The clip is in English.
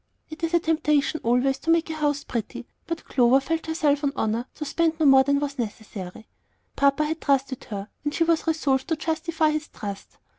It is a temptation always to make a house pretty, but Clover felt herself on honor to spend no more than was necessary. Papa had trusted her, and she was resolved to justify his trust.